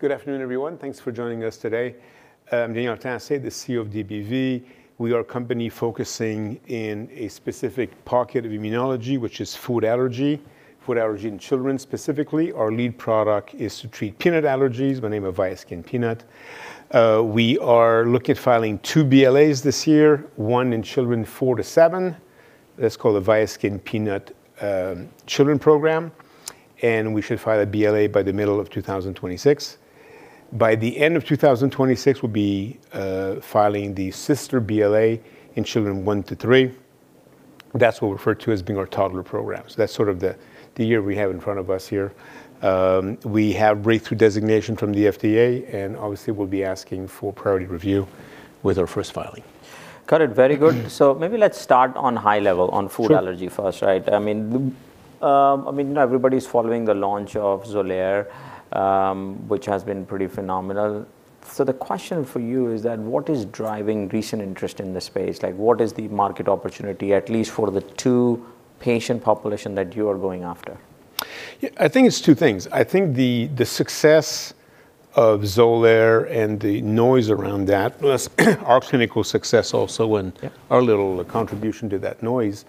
Good afternoon, everyone. Thanks for joining us today. I'm Daniel Tassé, the CEO of DBV. We are a company focusing in a specific pocket of immunology, which is food allergy, food allergy in children, specifically. Our lead product is to treat peanut allergies by name of Viaskin Peanut. We are looking at filing two BLAs this year, one in children four to seven. That's called the Viaskin Peanut Children Program, and we should file a BLA by the middle of 2026. By the end of 2026, we'll be filing the sister BLA in children one to three. That's what we refer to as being our toddler program. So that's sort of the year we have in front of us here. We have breakthrough designation from the FDA, and obviously, we'll be asking for priority review with our first filing. Got it. Very good. So maybe let's start on high level- Sure... on food allergy first, right? I mean, I mean, everybody's following the launch of Xolair, which has been pretty phenomenal. So the question for you is that, what is driving recent interest in this space? Like, what is the market opportunity, at least for the two patient population that you are going after? Yeah, I think it's two things. I think the success of Xolair and the noise around that, plus, our clinical success also- Yeah... and our little contribution to that noise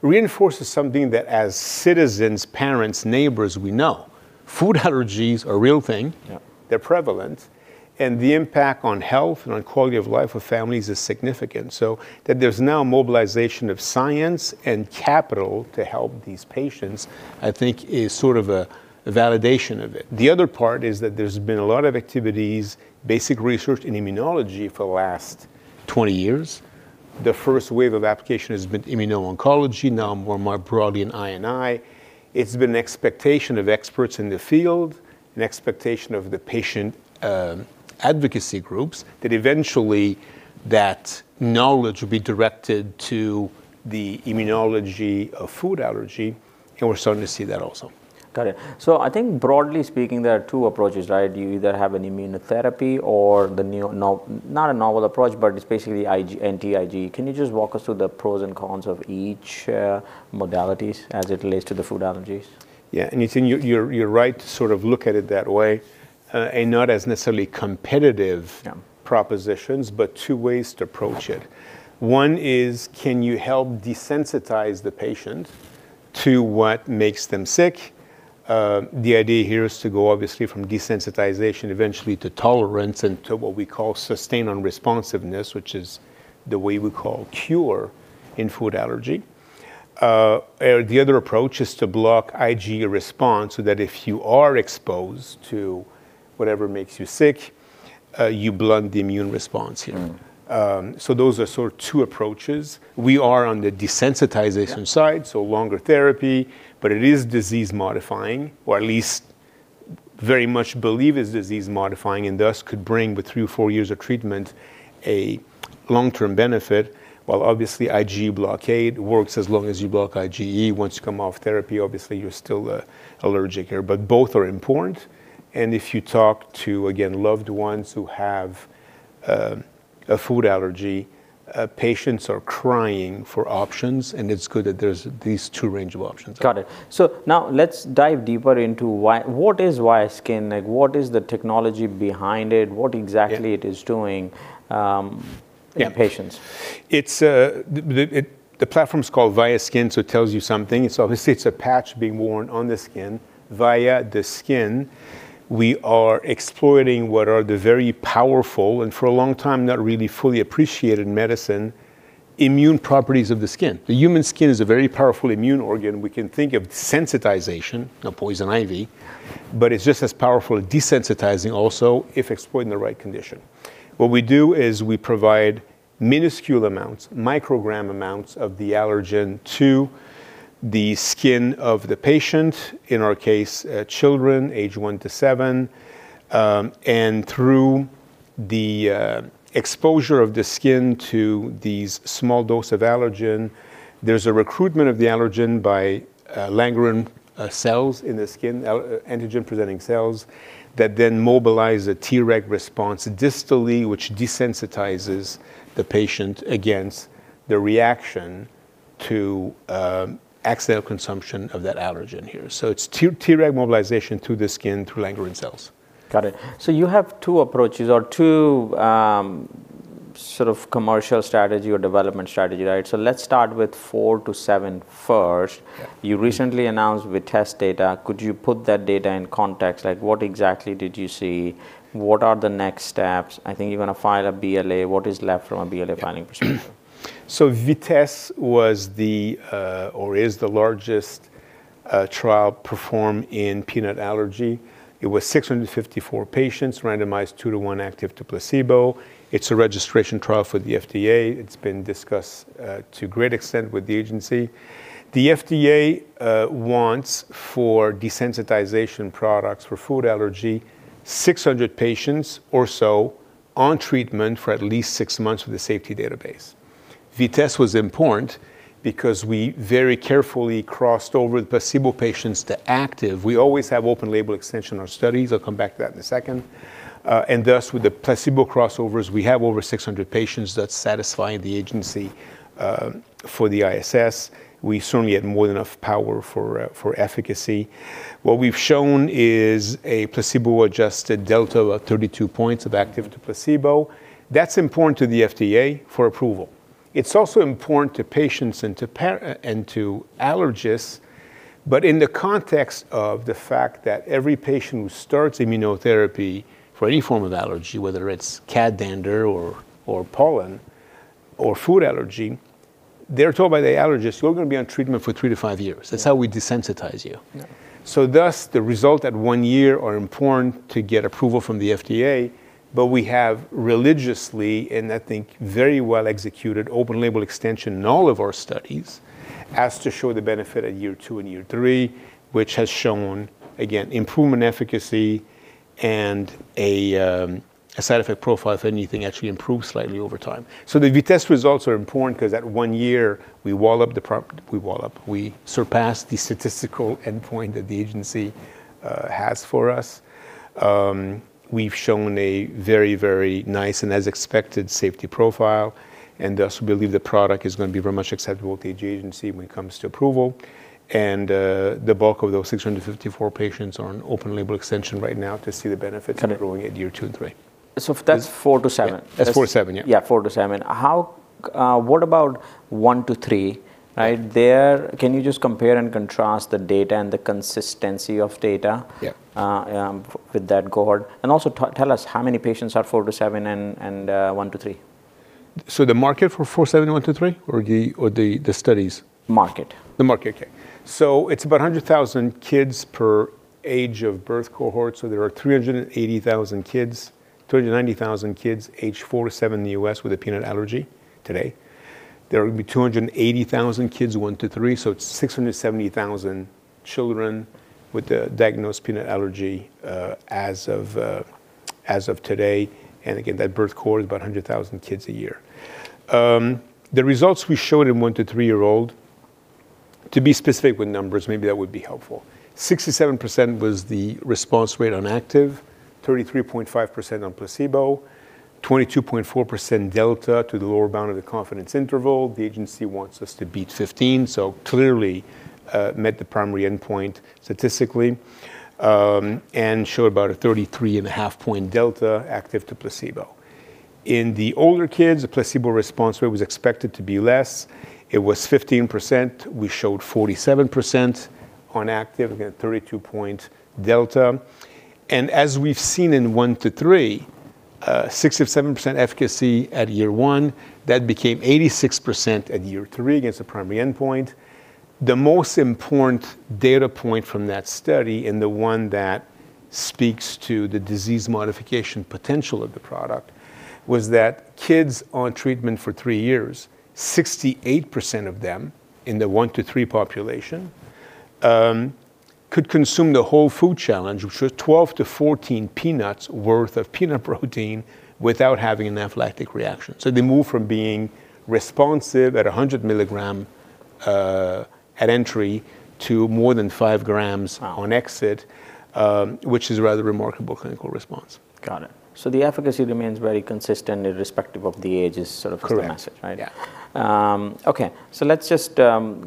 reinforces something that as citizens, parents, neighbors, we know. Food allergies are a real thing- Yeah... they're prevalent, and the impact on health and on quality of life of families is significant. So that there's now mobilization of science and capital to help these patients, I think is sort of a validation of it. The other part is that there's been a lot of activities, basic research in immunology for the last 20 years. The first wave of application has been immuno-oncology, now, more broadly in I&I. It's been an expectation of experts in the field, an expectation of the patient, advocacy groups, that eventually that knowledge will be directed to the immunology of food allergy, and we're starting to see that also. Got it. So I think broadly speaking, there are two approaches, right? You either have an immunotherapy or the not a novel approach, but it's basically IgE, anti-IgE. Can you just walk us through the pros and cons of each, modalities as it relates to the food allergies? Yeah, and you think you're right to sort of look at it that way, and not as necessarily competitive- Yeah... propositions, but two ways to approach it. One is, can you help desensitize the patient to what makes them sick? The idea here is to go, obviously, from desensitization eventually to tolerance and to what we call sustained unresponsiveness, which is the way we call cure in food allergy. The other approach is to block IgE response, so that if you are exposed to whatever makes you sick, you blunt the immune response here. So those are sort of two approaches. We are on the desensitization side- Yeah... so longer therapy, but it is disease-modifying, or at least very much believe it's disease-modifying, and thus, could bring with three or four years of treatment, a long-term benefit. While obviously, IgE blockade works as long as you block IgE. Once you come off therapy, obviously, you're still, allergic here. But both are important, and if you talk to, again, loved ones who have, a food allergy, patients are crying for options, and it's good that there's these two range of options. Got it. So now, let's dive deeper into why, what is VIASKIN? Like, what is the technology behind it? Yeah. What exactly it is doing? Yeah... in patients? It's the platform is called Viaskin, so it tells you something. So obviously, it's a patch being worn on the skin. Via the skin, we are exploiting what are the very powerful, and for a long time, not really fully appreciated in medicine, immune properties of the skin. The human skin is a very powerful immune organ. We can think of sensitization, a poison ivy, but it's just as powerful at desensitizing also, if exploited in the right condition. What we do is we provide minuscule amounts, microgram amounts of the allergen to the skin of the patient, in our case, children, age one to seven. And through the exposure of the skin to these small dose of allergen, there's a recruitment of the allergen by Langerhans cells in the skin, antigen-presenting cells, that then mobilize a Treg response distally, which desensitizes the patient against the reaction to accidental consumption of that allergen here. So it's Treg mobilization through the skin, through Langerhans cells. Got it. So you have two approaches or two, sort of commercial strategy or development strategy, right? Let's start with four to seven first. Yeah. You recently announced VITESSE data. Could you put that data in context? Like, what exactly did you see? What are the next steps? I think you're gonna file a BLA. What is left from a BLA filing perspective? So VITESSE was the, or is the largest, trial performed in peanut allergy. It was 654 patients, randomized 2-to-1 active to placebo. It's a registration trial for the FDA. It's been discussed, to a great extent with the agency. The FDA, wants for desensitization products, for food allergy, 600 patients or so on treatment for at least six months with a safety database. VITESSE was important because we very carefully crossed over the placebo patients to active. We always have open label extension on our studies. I'll come back to that in a second, and thus, with the placebo crossovers, we have over 600 patients that's satisfying the agency, for the ISS. We certainly had more than enough power for, for efficacy. What we've shown is a placebo-adjusted delta of 32 points of active to placebo. That's important to the FDA for approval. It's also important to patients and to parents, and to allergists, but in the context of the fact that every patient who starts immunotherapy for any form of allergy, whether it's cat dander or pollen or food allergy, they're told by the allergist, "You're gonna be on treatment for three to five years. That's how we desensitize you. Yeah. So thus, the result at one year are important to get approval from the FDA, but we have religiously, and I think very well executed, open label extension in all of our studies, as to show the benefit at year two and year three, which has shown, again, improvement efficacy and a side effect profile, if anything, actually improves slightly over time. So the VITESSE results are important 'cause at one year, we surpass the statistical endpoint that the agency has for us. We've shown a very, very nice and as expected, safety profile, and thus, we believe the product is gonna be very much acceptable to the agency when it comes to approval. And the bulk of those 654 patients are on open label extension right now to see the benefits- Got it. -growing at year two and three. So that's four to seven? That's four to seven, yeah. Yeah, four to seven. How, what about one to three? Right there, can you just compare and contrast the data and the consistency of data? Yeah. With that cohort? And also tell us how many patients are four to seven and one to three. So the market forfour to seven and one to three, or the studies? Market. The market, okay. So it's about 100,000 kids per age of birth cohort, so there are 380,000 kids... 390,000 kids, agedfour to seven in the U.S., with a peanut allergy today. There are gonna be 280,000 kids, one to three, so it's 670,000 children with a diagnosed peanut allergy, as of today. And again, that birth cohort is about 100,000 kids a year. The results we showed in one to three-year-old, to be specific with numbers, maybe that would be helpful, 67% was the response rate on active, 33.5% on placebo, 22.4% delta to the lower bound of the confidence interval. The agency wants us to beat 15, so clearly, met the primary endpoint statistically, and showed about a 33.5-point delta active to placebo. In the older kids, the placebo response rate was expected to be less. It was 15%, we showed 47% on active, again, a 32-point delta. And as we've seen in one to three, 67% efficacy at year one, that became 86% at year three against the primary endpoint. The most important data point from that study, and the one that speaks to the disease modification potential of the product, was that kids on treatment for three years, 68% of them in the one to three population, could consume the whole food challenge, which was 12-14 peanuts worth of peanut protein, without having an anaphylactic reaction. So they moved from being responsive at 100 milligrams, at entry, to more than five grams- Wow! upon exit, which is a rather remarkable clinical response. Got it. So the efficacy remains very consistent, irrespective of the age, is sort of the message. Correct. -right? Yeah. Okay, so let's just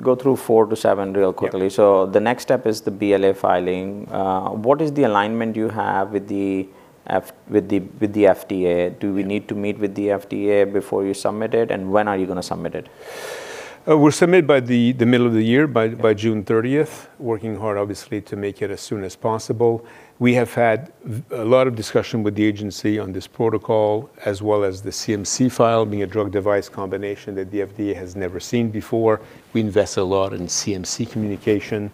go throughfour to seven real quickly. Yeah. The next step is the BLA filing. What is the alignment you have with the FDA? Do we need to meet with the FDA before you submit it, and when are you gonna submit it? We'll submit by the middle of the year, by June 30th. Working hard, obviously, to make it as soon as possible. We have had a lot of discussion with the agency on this protocol, as well as the CMC file, being a drug device combination that the FDA has never seen before. We invest a lot in CMC communication.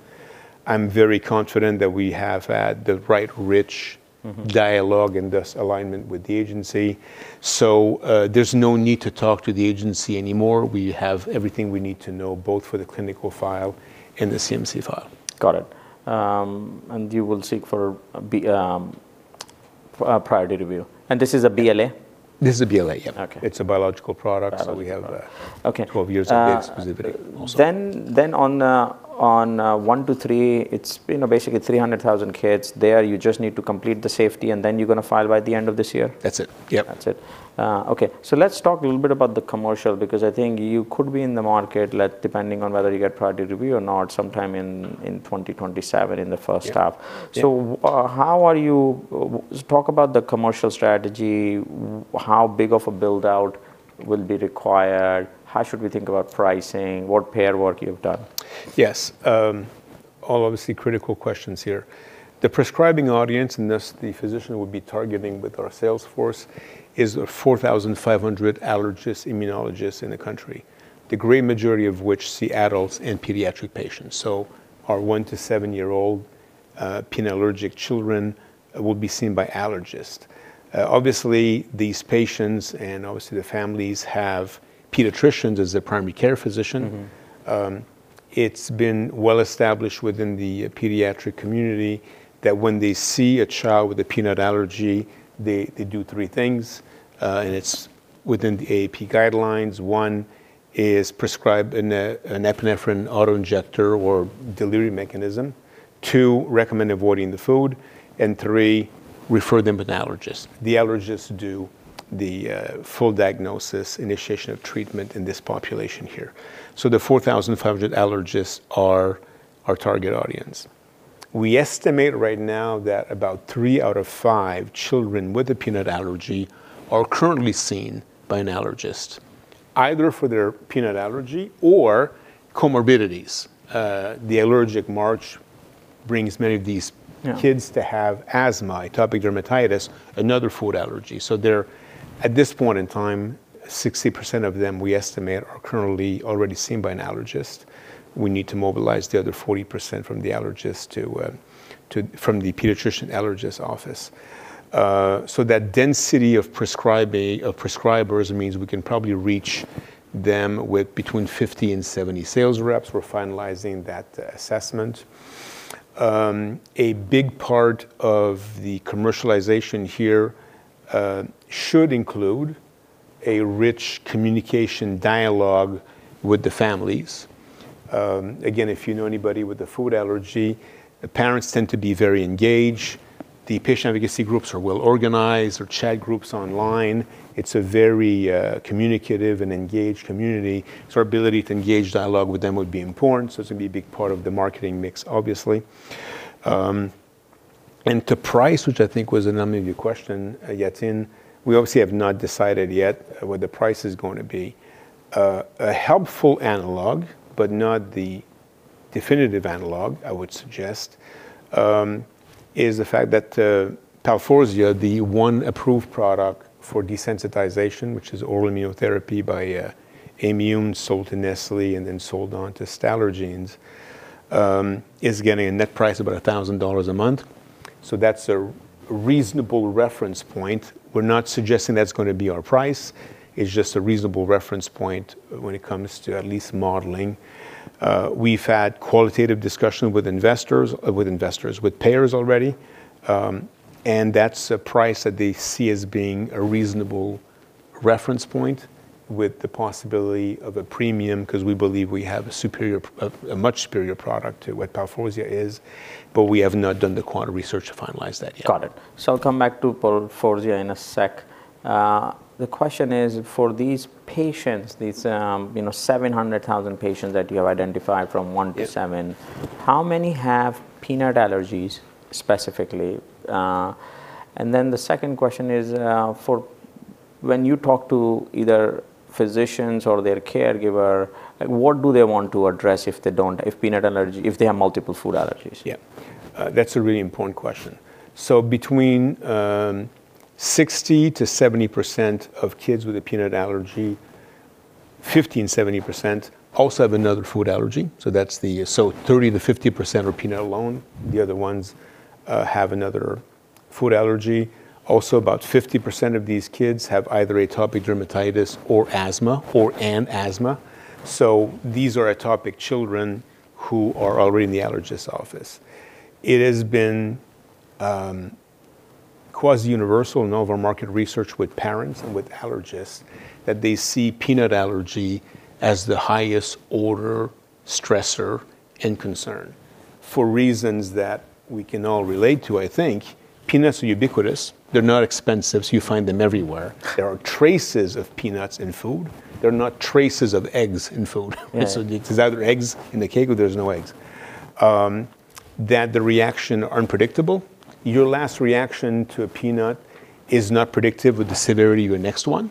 I'm very confident that we have had the right rich- Mm-hmm... dialogue and thus alignment with the agency. So, there's no need to talk to the agency anymore. We have everything we need to know, both for the clinical file and the CMC file. Got it. You will seek for Priority Review. This is a BLA? This is a BLA, yeah. Okay. It's a biological product- Biological So we have. Okay... 12 years of data exclusivity also. Then on one to three, it's, you know, basically 300,000 kids. There, you just need to complete the safety, and then you're gonna file by the end of this year? That's it. Yep. That's it. Okay, so let's talk a little bit about the commercial, because I think you could be in the market, like depending on whether you get priority review or not, sometime in 2027, in the first half. Yeah. Talk about the commercial strategy, how big of a build-out will be required? How should we think about pricing? What payer work you've done? Yes, all obviously critical questions here. The prescribing audience, and thus the physician we'll be targeting with our sales force, is 4,500 allergists, immunologists in the country. The great majority of which see adults and pediatric patients. So our one-to-seven-year-old, peanut allergic children will be seen by allergists. Obviously, these patients, and obviously the families, have pediatricians as their primary care physician. It's been well established within the pediatric community that when they see a child with a peanut allergy, they do three things within the AAP guidelines. One is prescribe an epinephrine auto-injector or delivery mechanism. Two, recommend avoiding the food, and three, refer them an allergist. The allergists do the full diagnosis, initiation of treatment in this population here. So the 4,500 allergists are our target audience. We estimate right now that about three out of five children with a peanut allergy are currently seen by an allergist, either for their peanut allergy or comorbidities. The allergic march brings many of these- Yeah -kids to have asthma, atopic dermatitis, another food allergy. So they're, at this point in time, 60% of them, we estimate, are currently already seen by an allergist. We need to mobilize the other 40% from the allergist to... From the pediatrician allergist office. So that density of prescribing, of prescribers, means we can probably reach them with between 50-70 sales reps. We're finalizing that assessment. A big part of the commercialization here should include a rich communication dialogue with the families. Again, if you know anybody with a food allergy, the parents tend to be very engaged. The patient advocacy groups are well organized. There are chat groups online. It's a very communicative and engaged community, so our ability to engage dialogue with them would be important. So this would be a big part of the marketing mix, obviously. And to price, which I think was another of your question, Yatin, we obviously have not decided yet what the price is going to be. A helpful analog, but not the definitive analog, I would suggest, is the fact that, Palforzia, the one approved product for desensitization, which is oral immunotherapy by Aimmune, sold to Nestlé and then sold on to Stallergenes, is getting a net price of about $1,000 a month. So that's a reasonable reference point. We're not suggesting that's gonna be our price. It's just a reasonable reference point when it comes to at least modeling. We've had qualitative discussions with investors, with payers already, and that's a price that they see as being a reasonable reference point with the possibility of a premium, 'cause we believe we have a much superior product to what Palforzia is, but we have not done the quant research to finalize that yet. Got it. So I'll come back to Palforzia in a sec. The question is, for these patients, these, you know, 700,000 patients that you have identified from one to seven- Yeah. How many have peanut allergies, specifically? And then the second question is, for when you talk to either physicians or their caregiver, what do they want to address if they don't... If peanut allergy-- If they have multiple food allergies? Yeah. That's a really important question. So between 60%-70% of kids with a peanut allergy, 50 and 70% also have another food allergy. So that's the. So 30%-50% are peanut alone. The other ones have another food allergy. Also, about 50% of these kids have either atopic dermatitis or asthma, or/and asthma. So these are atopic children who are already in the allergist's office. It has been quasi-universal in all of our market research with parents and with allergists, that they see peanut allergy as the highest order stressor and concern for reasons that we can all relate to, I think. Peanuts are ubiquitous. They're not expensive, so you find them everywhere. There are traces of peanuts in food. There are not traces of eggs in food. Right. Also, there's either eggs in a cake or there's no eggs. That the reaction are unpredictable. Your last reaction to a peanut is not predictive of the severity of your next one,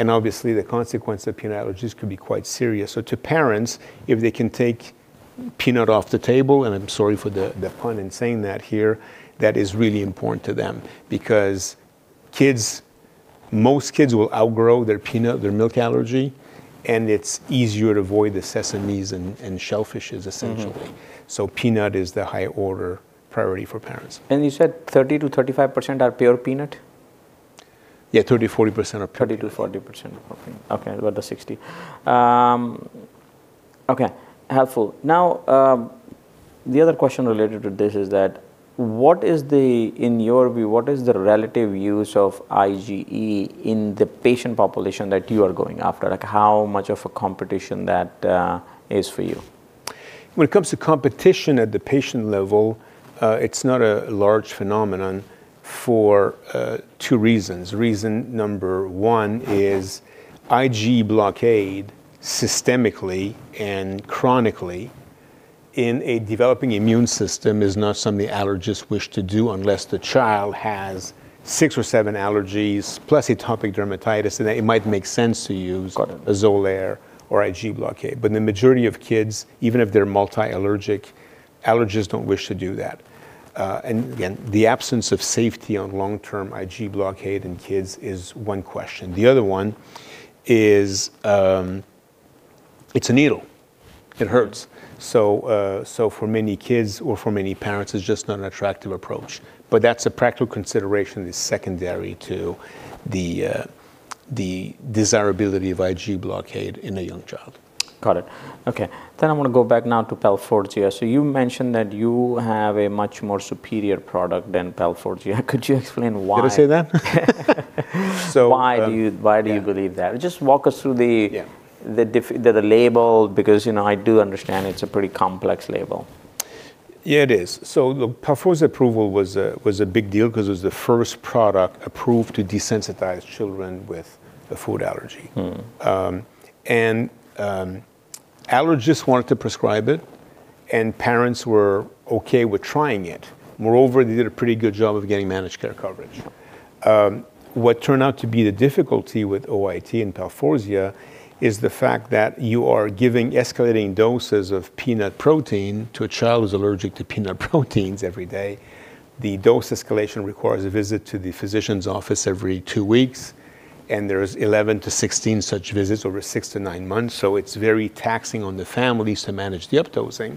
and obviously, the consequence of peanut allergies could be quite serious. So to parents, if they can take peanut off the table, and I'm sorry for the, the pun in saying that here, that is really important to them. Because kids, most kids will outgrow their peanut, their milk allergy, and it's easier to avoid the sesames and, and shellfishes, essentially So peanut is the higher order priority for parents. You said 30%-35% are pure peanut? Yeah, 30%-40% are peanut. 30%-40% are peanut. Okay, about the 60. Okay, helpful. Now, the other question related to this is that what is the... In your view, what is the relative use of IgE in the patient population that you are going after? Like, how much of a competition that is for you? When it comes to competition at the patient level, it's not a large phenomenon for two reasons. Reason number one is, IgE blockade, systemically and chronically, in a developing immune system, is not something the allergists wish to do unless the child has six or seven allergies, plus atopic dermatitis, then it might make sense to use- Got it... Xolair or IgE blockade. But the majority of kids, even if they're multi-allergic, allergists don't wish to do that. And again, the absence of safety on long-term IgE blockade in kids is one question. The other one is, it's a needle, it hurts. So for many kids or for many parents, it's just not an attractive approach, but that's a practical consideration that's secondary to the desirability of IgE blockade in a young child.... Got it. Okay, then I'm gonna go back now to Palforzia. So you mentioned that you have a much more superior product than Palforzia. Could you explain why? Did I say that? So, Why do you, why do you believe that? Yeah. Just walk us through the- Yeah ... the difference, the label, because you know, I do understand it's a pretty complex label. Yeah, it is. So Palforzia's approval was a big deal 'cause it was the first product approved to desensitize children with a food allergy. Allergists wanted to prescribe it, and parents were okay with trying it. Moreover, they did a pretty good job of getting managed care coverage. What turned out to be the difficulty with OIT and PALFORZIA is the fact that you are giving escalating doses of peanut protein to a child who's allergic to peanut proteins every day. The dose escalation requires a visit to the physician's office every two weeks, and there's 11-16 such visits over six to nine months, so it's very taxing on the families to manage the updosing.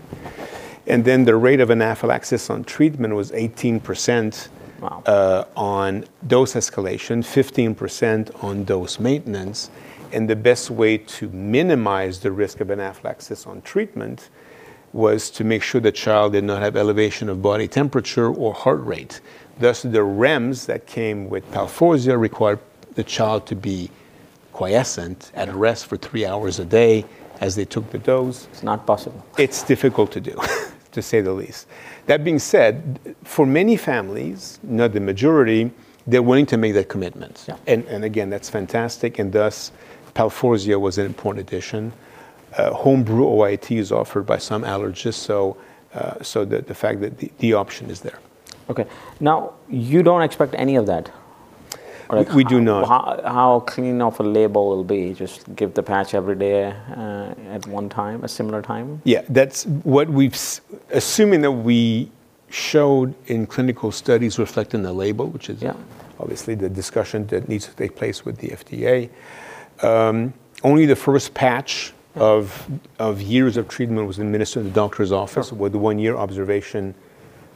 And then, the rate of anaphylaxis on treatment was 18%. Wow! On dose escalation, 15% on dose maintenance, and the best way to minimize the risk of anaphylaxis on treatment was to make sure the child did not have elevation of body temperature or heart rate. Thus, the REMS that came with PALFORZIA required the child to be quiescent, at rest for three hours a day as they took the dose. It's not possible. It's difficult to do, to say the least. That being said, for many families, not the majority, they're willing to make that commitment. Yeah. Again, that's fantastic, and thus, Palforzia was an important addition. Homebrew OIT is offered by some allergists, so the fact that the option is there. Okay. Now, you don't expect any of that, or like- We do not. How clean of a label it'll be? Just give the patch every day, at one time, a similar time. Yeah, that's what we've. Assuming that we showed in clinical studies reflected in the label, which is- Yeah... obviously, the discussion that needs to take place with the FDA. Only the first patch of years of treatment was administered in the doctor's office- Sure... with a one-year observation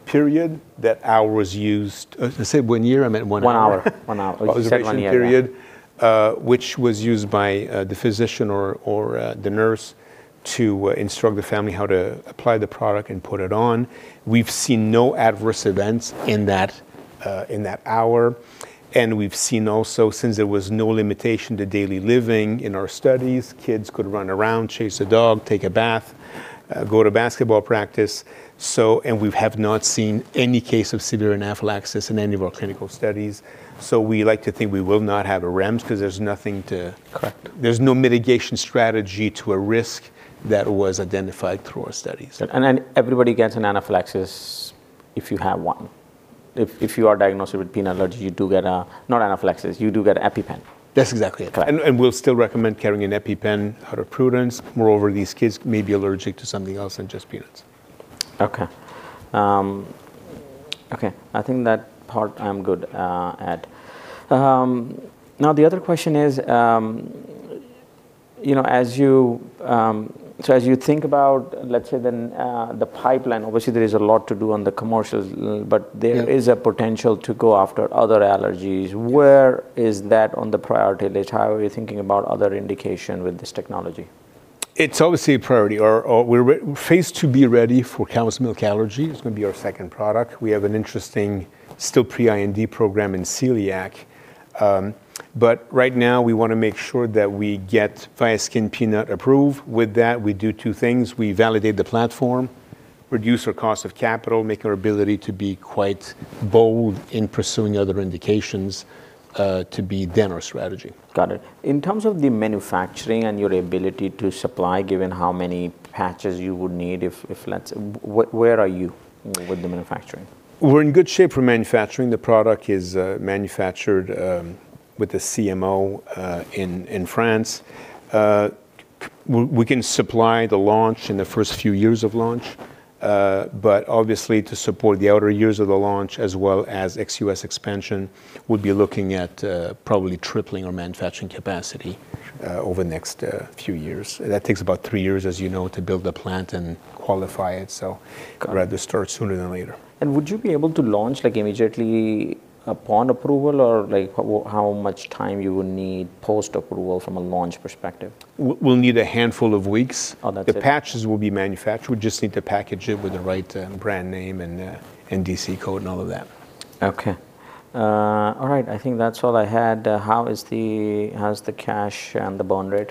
period. That hour was used. I said one year, I meant one hour. One hour, one hour. Oh, you said one year, yeah. Observation period, which was used by the physician or the nurse to instruct the family how to apply the product and put it on. We've seen no adverse events in that hour, and we've seen also, since there was no limitation to daily living in our studies, kids could run around, chase the dog, take a bath, go to basketball practice. And we have not seen any case of severe anaphylaxis in any of our clinical studies, so we like to think we will not have a REMS 'cause there's nothing to- Correct. There's no mitigation strategy to a risk that was identified through our studies. Then, everybody gets an anaphylaxis if you have one. If you are diagnosed with peanut allergy, you do get a... Not anaphylaxis, you do get EpiPen. That's exactly it. Correct. We'll still recommend carrying an EpiPen out of prudence. Moreover, these kids may be allergic to something else than just peanuts. Okay. Okay, I think that part I'm good at. Now, the other question is, you know, as you... So as you think about, let's say, the, the pipeline, obviously there is a lot to do on the commercials, Yeah... but there is a potential to go after other allergies. Where is that on the priority list? How are you thinking about other indication with this technology? It's obviously a priority, or we're Phase IIb ready for cow's milk allergy. It's gonna be our second product. We have an interesting, still pre-IND program in celiac. But right now, we wanna make sure that we get VIASKIN Peanut approved. With that, we do two things: We validate the platform, reduce our cost of capital, make our ability to be quite bold in pursuing other indications, to be then our strategy. Got it. In terms of the manufacturing and your ability to supply, given how many patches you would need, where are you with the manufacturing? We're in good shape for manufacturing. The product is manufactured with a CMO in France. We can supply the launch in the first few years of launch, but obviously, to support the outer years of the launch, as well as ex-US expansion, we'd be looking at probably tripling our manufacturing capacity over the next few years. That takes about three years, as you know, to build a plant and qualify it, so- Got it... we'd rather start sooner than later. Would you be able to launch, like, immediately upon approval, or, like, how much time you would need post-approval from a launch perspective? We'll need a handful of weeks. Oh, that's it. The patches will be manufactured. We just need to package it with the right, brand name, and, NDC code, and all of that. Okay. All right, I think that's all I had. How's the cash and the burn rate?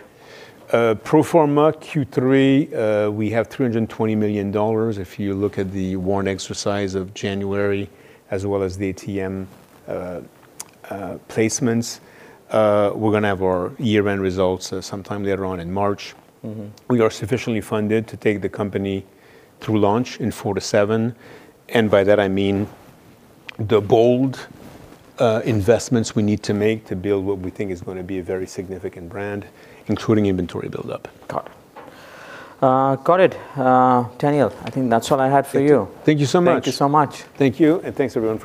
Pro forma Q3, we have $320 million. If you look at the warrant exercise of January as well as the ATM, placements, we're gonna have our year-end results, sometime later on in March. Mm-hmm. We are sufficiently funded to take the company through launch in 2027, and by that I mean the bold investments we need to make to build what we think is gonna be a very significant brand, including inventory build-up. Got it. Got it. Daniel, I think that's all I had for you. Thank you so much. Thank you so much. Thank you, and thanks, everyone, for-